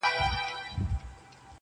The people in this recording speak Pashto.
دنیاوي تاوان لري